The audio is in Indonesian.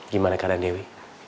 gimana keadaan dewi